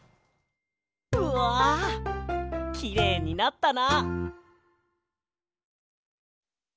うわきれいになったな！